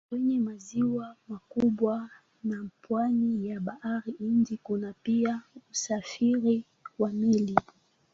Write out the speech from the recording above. Kwenye maziwa makubwa na pwani ya Bahari Hindi kuna pia usafiri wa meli.